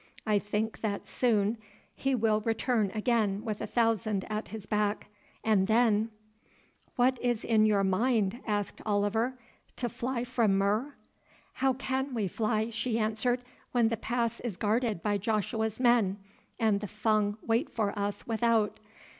I think that soon he will return again with a thousand at his back, and then——" "What is in your mind?" asked Oliver. "To fly from Mur?" "How can we fly," she answered, "when the pass is guarded by Joshua's men, and the Fung wait for us without?